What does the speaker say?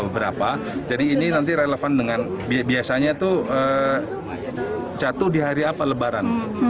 berapa jadi ini nanti relevan dengan biasanya itu jatuh di hari apa lebaran